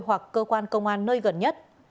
hoặc cơ quan công an nơi gần nhất